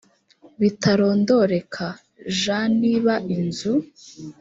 bitarondoreka j niba inzu